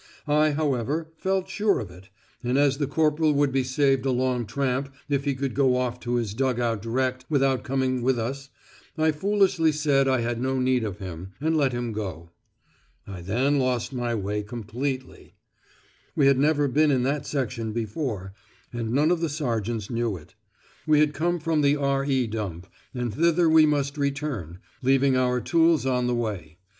I, however, felt sure of it, and as the corporal would be saved a long tramp if he could go off to his dug out direct without coming with us, I foolishly said I had no need of him, and let him go. I then lost my way completely. We had never been in that section before, and none of the sergeants knew it. We had come from the "R.E. Dump," and thither we must return, leaving our tools on the way.